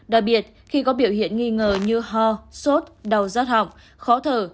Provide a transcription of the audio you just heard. đặc biệt khi có biểu hiện nghi ngờ như ho sốt đau rát học khó thở